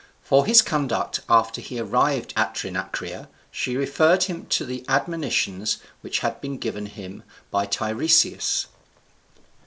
For his conduct after he arrived at Trinacria she referred him to the admonitions which had been given him by Tiresias.